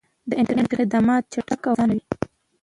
د انټرنیټ خدمات چټک او ارزانه وي.